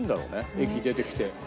駅出てきて。